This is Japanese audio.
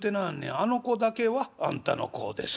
あの子だけはあんたの子です』。